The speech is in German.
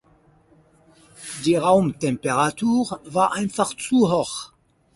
Die Raumtemperatur war einfach zu hoch.